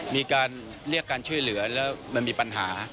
มีการเรียกการช่วยเหลือแล้วมันมีปัญหา